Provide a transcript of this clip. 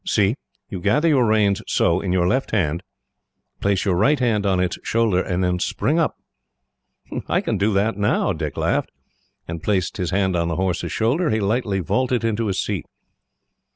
See! you gather your reins so, in your left hand, place your right hand on its shoulder, and then spring up." "I can do that now," Dick laughed, and, placing his hand on the horse's shoulder, he lightly vaulted into his seat.